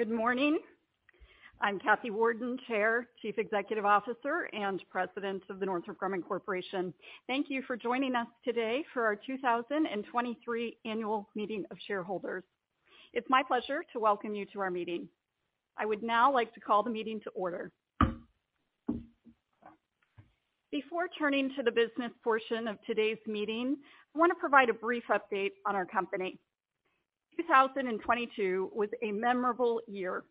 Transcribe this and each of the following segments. Good morning. I'm Kathy Warden, Chair, Chief Executive Officer, and President of the Northrop Grumman Corporation. Thank you for joining us today for our 2023 annual meeting of shareholders. It's my pleasure to welcome you to our meeting. I would now like to call the meeting to order. Before turning to the business portion of today's meeting, I wanna provide a brief update on our company. 2022 was a memorable year.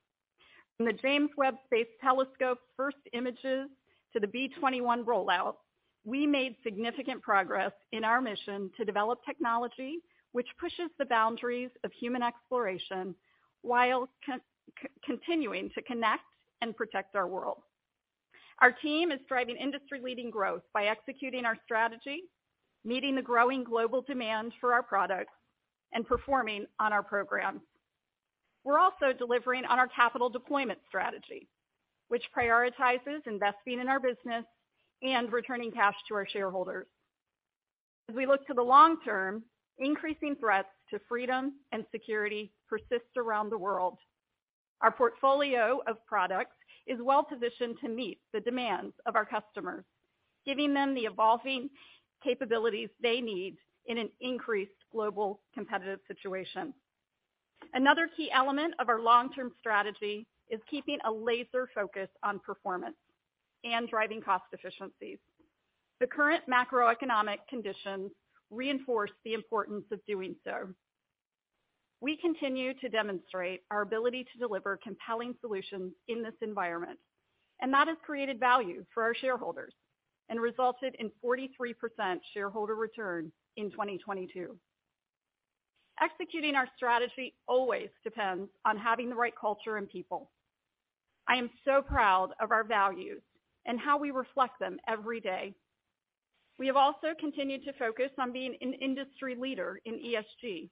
From the James Webb Space Telescope's first images to the B-21 rollout, we made significant progress in our mission to develop technology which pushes the boundaries of human exploration while continuing to connect and protect our world. Our team is driving industry-leading growth by executing our strategy, meeting the growing global demand for our products, and performing on our programs. We're also delivering on our capital deployment strategy, which prioritizes investing in our business and returning cash to our shareholders. As we look to the long term, increasing threats to freedom and security persist around the world. Our portfolio of products is well-positioned to meet the demands of our customers, giving them the evolving capabilities they need in an increased global competitive situation. Another key element of our long-term strategy is keeping a laser focus on performance and driving cost efficiencies. The current macroeconomic conditions reinforce the importance of doing so. We continue to demonstrate our ability to deliver compelling solutions in this environment, and that has created value for our shareholders and resulted in 43% shareholder return in 2022. Executing our strategy always depends on having the right culture and people. I am so proud of our values and how we reflect them every day. We have also continued to focus on being an industry leader in ESG.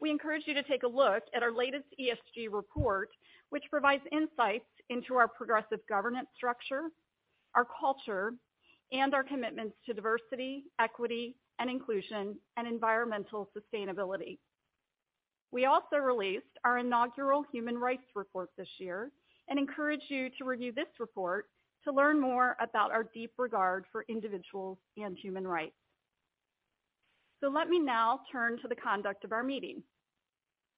We encourage you to take a look at our latest ESG report, which provides insights into our progressive governance structure, our culture, and our commitments to diversity, equity, and inclusion, and environmental sustainability. We also released our inaugural human rights report this year and encourage you to review this report to learn more about our deep regard for individuals and human rights. Let me now turn to the conduct of our meeting.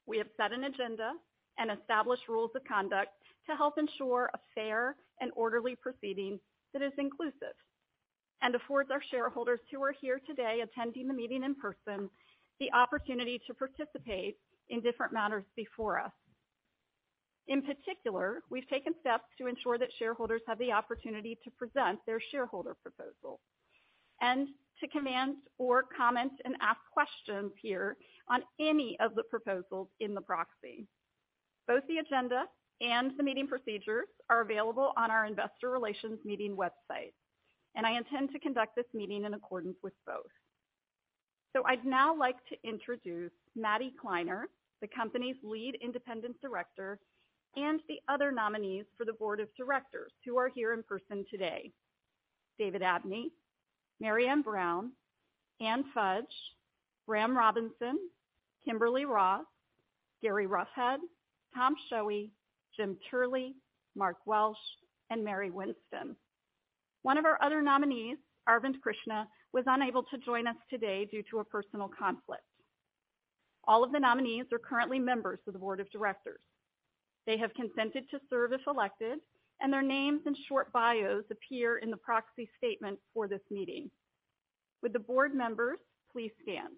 We have set an agenda and established rules of conduct to help ensure a fair and orderly proceeding that is inclusive and affords our shareholders who are here today attending the meeting in person, the opportunity to participate in different matters before us. In particular, we've taken steps to ensure that shareholders have the opportunity to present their shareholder proposal and to command or comment and ask questions here on any of the proposals in the proxy. Both the agenda and the meeting procedures are available on our investor relations meeting website. I intend to conduct this meeting in accordance with both. I'd now like to introduce Madeleine Kleiner, the company's Lead Independent Director, and the other nominees for the Board of Directors who are here in person today. David Abney, Marianne Brown, Anne Fudge, Graham Robinson, Kimberly Ross, Gary Roughead, Tom Schoewey, Jim Turley, Mark Welsh, and Mary Winston. One of our other nominees, Arvind Krishna, was unable to join us today due to a personal conflict. All of the nominees are currently members of the Board of Directors. They have consented to serve if elected, and their names and short bios appear in the proxy statement for this meeting. Would the board members please stand.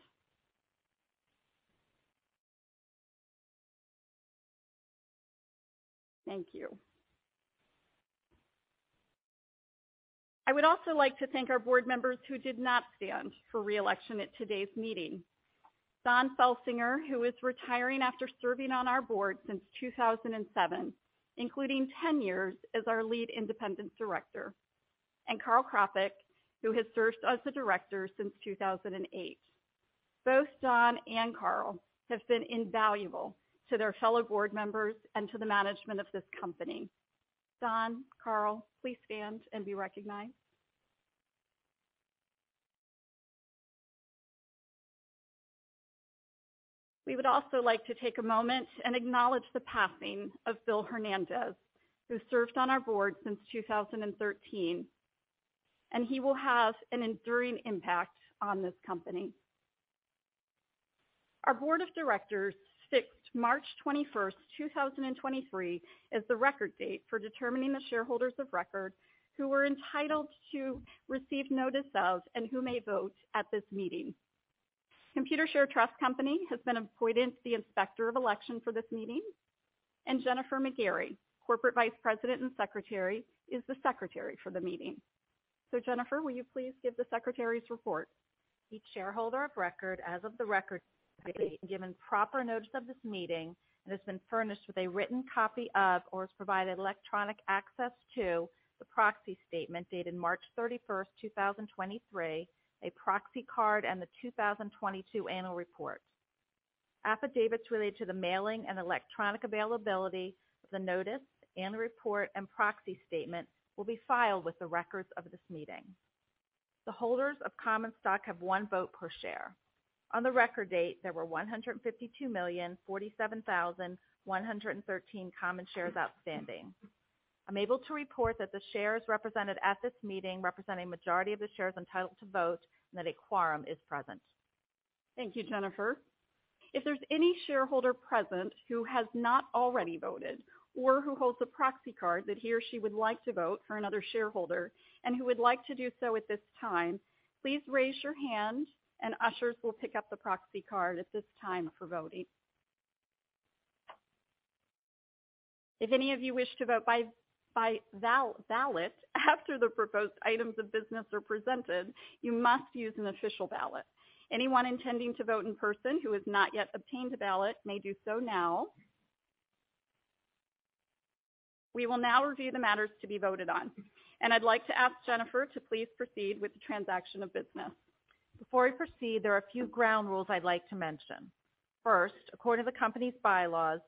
Thank you. I would also like to thank our board members who did not stand for re-election at today's meeting. Don Felsinger, who is retiring after serving on our board since 2007, including 10 years as our Lead Independent Director, and Karl Krapek, who has served as a director since 2008. Both Don and Karl have been invaluable to their fellow board members and to the management of this company. Don, Karl, please stand and be recognized. We would also like to take a moment and acknowledge the passing of Bill Hernandez, who served on our board since 2013, and he will have an enduring impact on this company. Our Board of Directors fixed March 21st, 2023, as the record date for determining the shareholders of record who were entitled to receive notice of and who may vote at this meeting. Computershare Trust Company has been appointed the Inspector of Election for this meeting, and Jennifer 'McGarey, Corporate Vice President and Secretary, is the Secretary for the meeting. Jennifer, will you please give the Secretary's report? Each shareholder of record as of the record date has been given proper notice of this meeting and has been furnished with a written copy of or has provided electronic access to the proxy statement dated March 31st, 2023, a proxy card, and the 2022 annual report. Affidavits related to the mailing and electronic availability of the notice and the report and proxy statement will be filed with the records of this meeting. The holders of common stock have one vote per share. On the record date, there were 152,047,113 common shares outstanding. I'm able to report that the shares represented at this meeting represent a majority of the shares entitled to vote, and that a quorum is present. Thank you, Jennifer. If there's any shareholder present who has not already voted or who holds a proxy card that he or she would like to vote for another shareholder and who would like to do so at this time, please raise your hand and ushers will pick up the proxy card at this time for voting. If any of you wish to vote by ballot after the proposed items of business are presented, you must use an official ballot. Anyone intending to vote in person who has not yet obtained a ballot may do so now. We will now review the matters to be voted on, and I'd like to ask Jennifer to please proceed with the transaction of business. Before we proceed, there are a few ground rules I'd like to mention. According to the company's bylaws,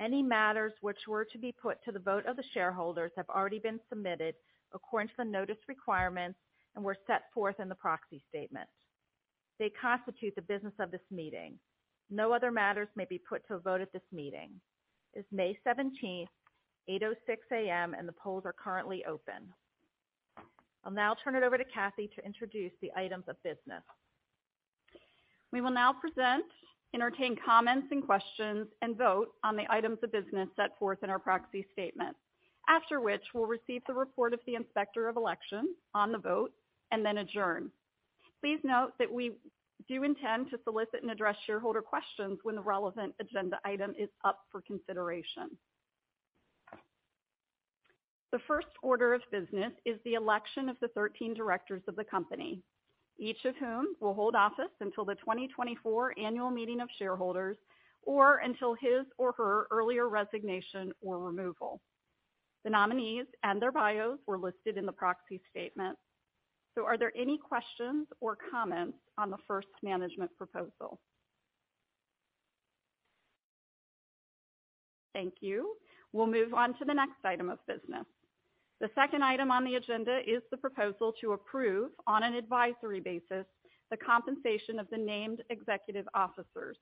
any matters which were to be put to the vote of the shareholders have already been submitted according to the notice requirements and were set forth in the proxy statement. They constitute the business of this meeting. No other matters may be put to a vote at this meeting. It's May 17th, 8:06 A.M., and the polls are currently open. I'll now turn it over to Kathy to introduce the items of business. We will now present, entertain comments and questions, and vote on the items of business set forth in our proxy statement. After which, we'll receive the report of the inspector of election on the vote and then adjourn. Please note that we do intend to solicit and address shareholder questions when the relevant agenda item is up for consideration. The first order of business is the election of the 13 directors of the company, each of whom will hold office until the 2024 annual meeting of shareholders or until his or her earlier resignation or removal. The nominees and their bios were listed in the proxy statement. Are there any questions or comments on the first management proposal? Thank you. We'll move on to the next item of business. The second item on the agenda is the proposal to approve, on an advisory basis, the compensation of the named executive officers.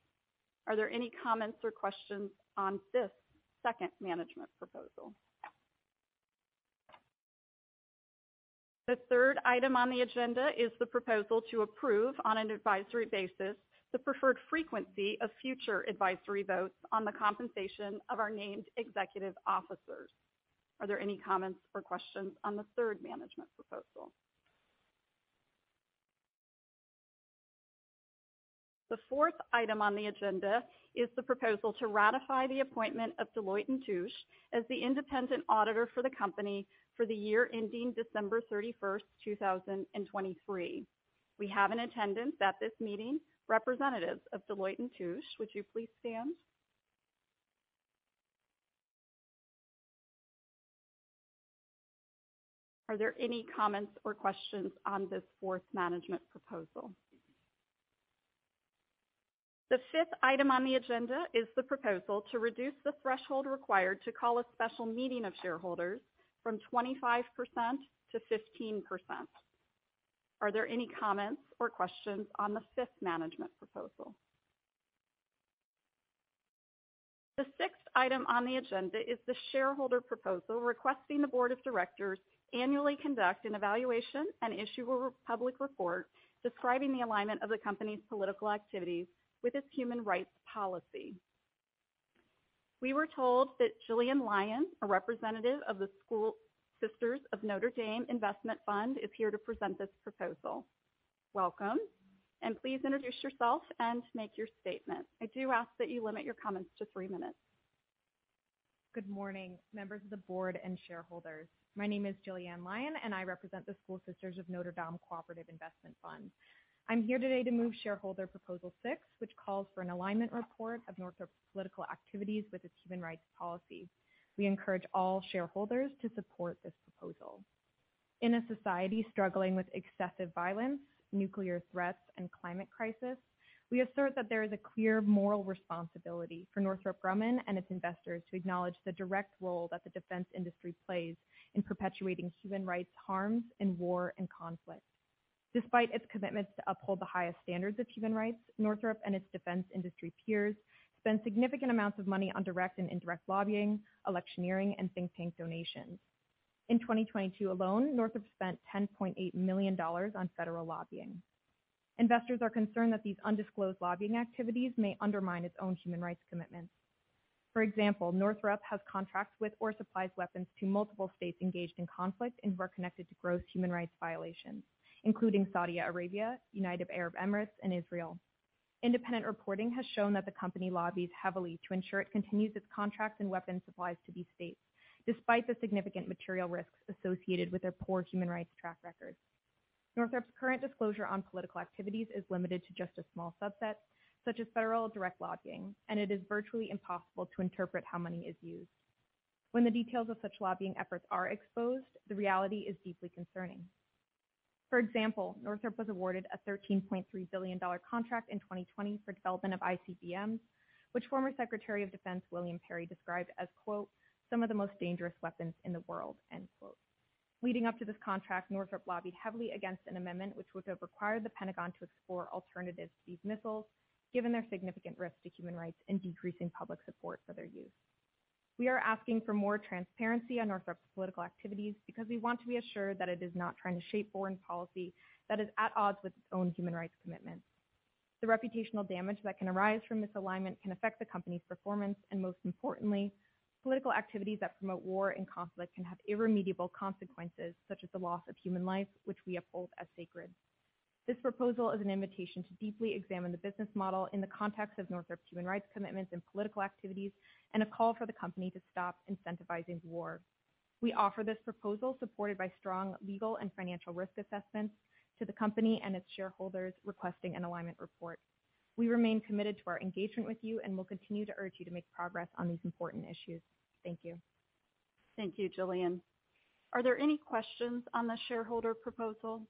Are there any comments or questions on this second management proposal? The third item on the agenda is the proposal to approve, on an advisory basis, the preferred frequency of future advisory votes on the compensation of our named executive officers. Are there any comments or questions on the third management proposal? The fourth item on the agenda is the proposal to ratify the appointment of Deloitte & Touche as the independent auditor for the company for the year ending December 31st, 2023. We have in attendance at this meeting, representatives of Deloitte & Touche. Would you please stand? Are there any comments or questions on this fourth management proposal? The fifth item on the agenda is the proposal to reduce the threshold required to call a special meeting of shareholders from 25% to 15%. Are there any comments or questions on the fifth management proposal? The sixth item on the agenda is the shareholder proposal requesting the board of directors annually conduct an evaluation and issue a public report describing the alignment of the company's political activities with its human rights policy. We were told that Jillian Lyon, a representative of the School Sisters of Notre Dame Investment Fund, is here to present this proposal. Welcome, and please introduce yourself and make your statement. I do ask that you limit your comments to three minutes. Good morning, members of the board and shareholders. My name is Jillian Lyon. I represent the School Sisters of Notre Dame Cooperative Investment Fund. I'm here today to move shareholder proposal six, which calls for an alignment report of Northrop's political activities with its human rights policy. We encourage all shareholders to support this proposal. In a society struggling with excessive violence, nuclear threats, and climate crisis, we assert that there is a clear moral responsibility for Northrop Grumman and its investors to acknowledge the direct role that the defense industry plays in perpetuating human rights harms in war and conflict. Despite its commitments to uphold the highest standards of human rights, Northrop and its defense industry peers spend significant amounts of money on direct and indirect lobbying, electioneering, and think tank donations. In 2022 alone, Northrop spent $10.8 million on federal lobbying. Investors are concerned that these undisclosed lobbying activities may undermine its own human rights commitments. For example, Northrop has contracts with or supplies weapons to multiple states engaged in conflict and who are connected to gross human rights violations, including Saudi Arabia, United Arab Emirates, and Israel. Independent reporting has shown that the company lobbies heavily to ensure it continues its contracts and weapons supplies to these states, despite the significant material risks associated with their poor human rights track records. Northrop's current disclosure on political activities is limited to just a small subset, such as federal direct lobbying, and it is virtually impossible to interpret how money is used. When the details of such lobbying efforts are exposed, the reality is deeply concerning. For example, Northrop was awarded a $13.3 billion contract in 2020 for development of ICBMs, which former Secretary of Defense William Perry described as, quote, "Some of the most dangerous weapons in the world." End quote. Leading up to this contract, Northrop lobbied heavily against an amendment which would have required the Pentagon to explore alternatives to these missiles, given their significant risk to human rights and decreasing public support for their use. We are asking for more transparency on Northrop's political activities because we want to be assured that it is not trying to shape foreign policy that is at odds with its own human rights commitments. The reputational damage that can arise from misalignment can affect the company's performance, and most importantly, political activities that promote war and conflict can have irremediable consequences, such as the loss of human life, which we uphold as sacred. This proposal is an invitation to deeply examine the business model in the context of Northrop's human rights commitments and political activities, and a call for the company to stop incentivizing war. We offer this proposal supported by strong legal and financial risk assessments to the company and its shareholders requesting an alignment report. We remain committed to our engagement with you, and we'll continue to urge you to make progress on these important issues. Thank you. Thank you, Jillian. Are there any questions on the shareholder proposal?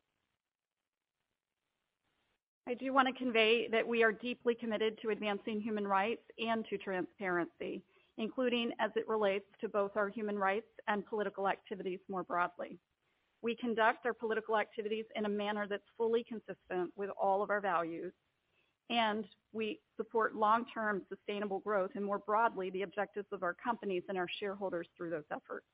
I do wanna convey that we are deeply committed to advancing human rights and to transparency, including as it relates to both our human rights and political activities more broadly. We conduct our political activities in a manner that's fully consistent with all of our values. We support long-term sustainable growth and more broadly, the objectives of our companies and our shareholders through those efforts.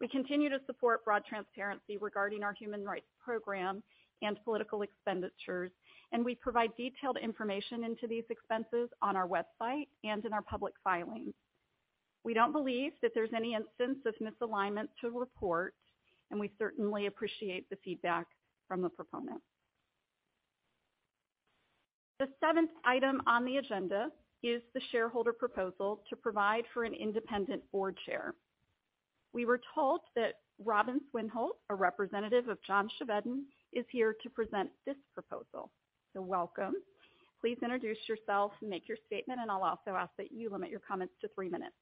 We continue to support broad transparency regarding our human rights program and political expenditures. We provide detailed information into these expenses on our website and in our public filings. We don't believe that there's any instance of misalignment to report. We certainly appreciate the feedback from the proponent. The seventh item on the agenda is the shareholder proposal to provide for an independent board chair. We were told that Robin Swinholt, a representative of John Chevedden, is here to present this proposal. Welcome. Please introduce yourself, make your statement, and I'll also ask that you limit your comments to three minutes.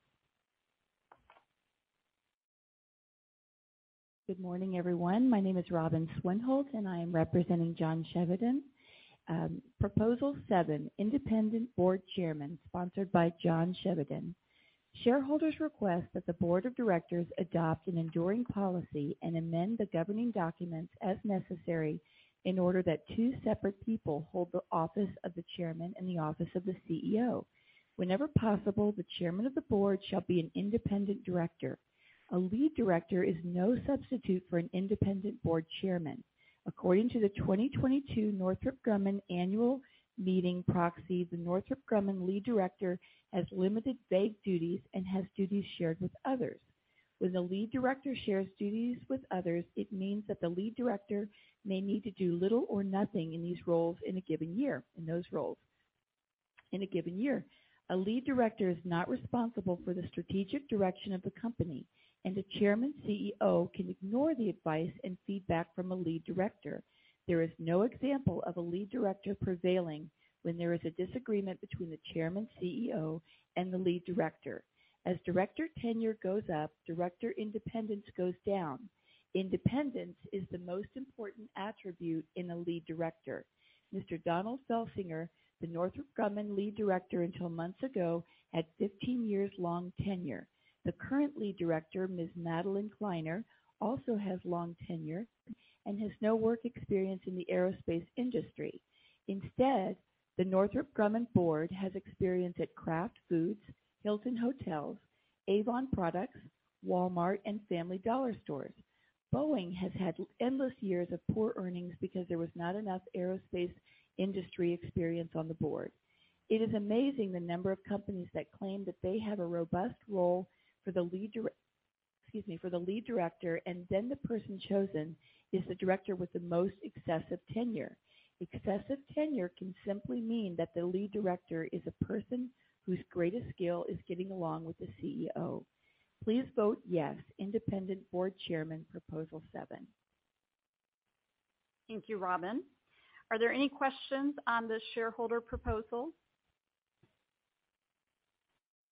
Good morning, everyone. My name is Robin Swinholt. I am representing John Chevedden. Proposal seven, independent board chairman, sponsored by John Chevedden. Shareholders request that the board of directors adopt an enduring policy and amend the governing documents as necessary in order that two separate people hold the office of the chairman and the office of the CEO. Whenever possible, the chairman of the board shall be an independent director. A lead director is no substitute for an independent board chairman. According to the 2022 Northrop Grumman annual meeting proxy, the Northrop Grumman lead director has limited vague duties and has duties shared with others. When the lead director shares duties with others, it means that the lead director may need to do little or nothing in these roles in a given year, in those roles in a given year. A lead director is not responsible for the strategic direction of the company, and a chairman CEO can ignore the advice and feedback from a lead director. There is no example of a lead director prevailing when there is a disagreement between the chairman CEO and the lead director. As director tenure goes up, director independence goes down. Independence is the most important attribute in a lead director. Mr. Donald Felsinger, the Northrop Grumman lead director until months ago, had 15 years long tenure. The current lead director, Ms. Madeleine Kleiner, also has long tenure and has no work experience in the aerospace industry. Instead, the Northrop Grumman board has experience at Kraft Foods, Hilton Hotels, Avon Products, Walmart, and Family Dollar Stores. Boeing has had endless years of poor earnings because there was not enough aerospace industry experience on the board. It is amazing the number of companies that claim that they have a robust role excuse me, for the lead director, then the person chosen is the director with the most excessive tenure. Excessive tenure can simply mean that the lead director is a person whose greatest skill is getting along with the CEO. Please vote yes. Independent board chairman, proposal seven. Thank you, Robin. Are there any questions on this shareholder proposal?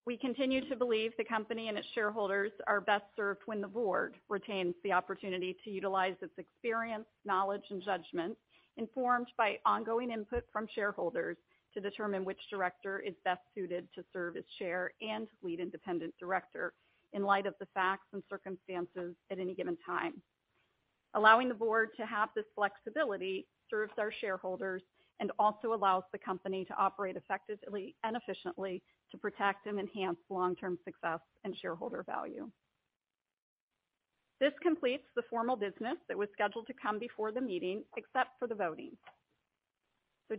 We continue to believe the company and its shareholders are best served when the board retains the opportunity to utilize its experience, knowledge, and judgment, informed by ongoing input from shareholders to determine which director is best suited to serve as chair and lead independent director in light of the facts and circumstances at any given time. Allowing the board to have this flexibility serves our shareholders and also allows the company to operate effectively and efficiently to protect and enhance long-term success and shareholder value.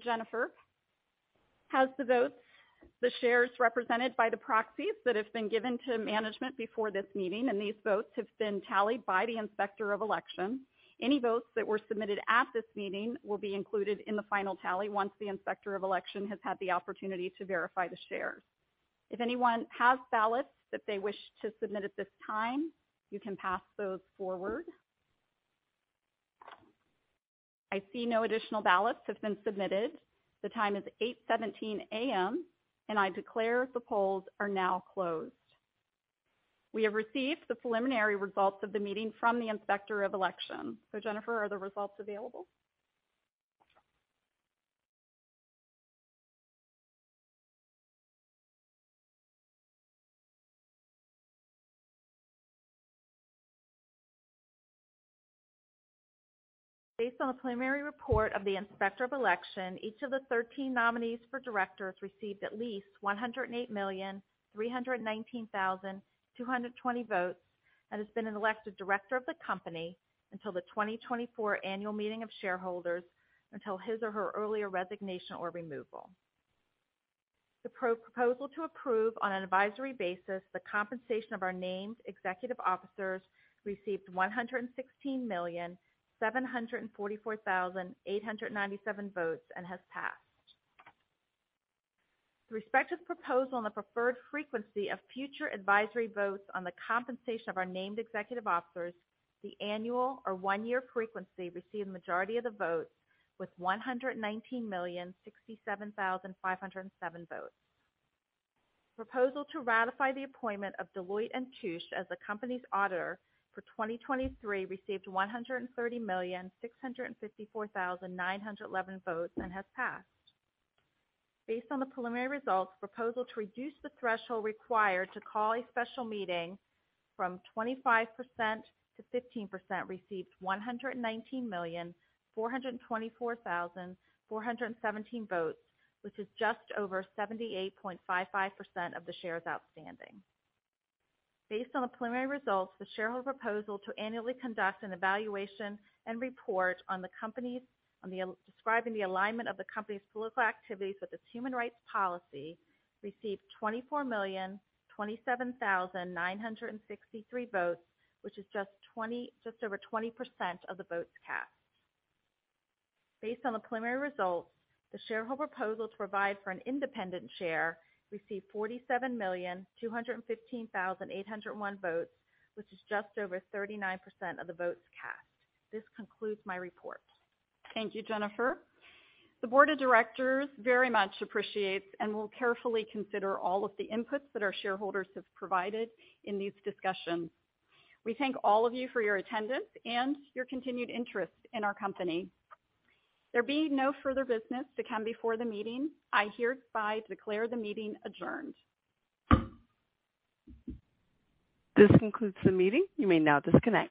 Jennifer has the votes, the shares represented by the proxies that have been given to management before this meeting, and these votes have been tallied by the Inspector of Election. Any votes that were submitted at this meeting will be included in the final tally once the Inspector of Election has had the opportunity to verify the shares. If anyone has ballots that they wish to submit at this time, you can pass those forward. I see no additional ballots have been submitted. The time is 8:17 A.M. I declare the polls are now closed. We have received the preliminary results of the meeting from the Inspector of Election. Jennifer, are the results available? Based on the preliminary report of the Inspector of Election, each of the 13 nominees for directors received at least 108,319,220 votes and has been an elected director of the company until the 2024 annual meeting of shareholders until his or her earlier resignation or removal. The pro-proposal to approve on an advisory basis the compensation of our named executive officers received 116,744,897 votes and has passed. With respect to the proposal on the preferred frequency of future advisory votes on the compensation of our named executive officers, the annual or one-year frequency received the majority of the votes with 119,067,507 votes. Proposal to ratify the appointment of Deloitte & Touche as the company's auditor for 2023 received 130,654,911 votes and has passed. Based on the preliminary results, proposal to reduce the threshold required to call a special meeting from 25% to 15% received 119,424,417 votes, which is just over 78.55% of the shares outstanding. Based on the preliminary results, the shareholder proposal to annually conduct an evaluation and report on the company's describing the alignment of the company's political activities with its human rights policy received 24,027,963 votes, which is just over 20% of the votes cast. Based on the preliminary results, the shareholder proposal to provide for an independent chair received 47,215,801 votes, which is just over 39% of the votes cast. This concludes my report. Thank you, Jennifer. The board of directors very much appreciates and will carefully consider all of the inputs that our shareholders have provided in these discussions. We thank all of you for your attendance and your continued interest in our company. There being no further business to come before the meeting, I hereby declare the meeting adjourned. This concludes the meeting. You may now disconnect.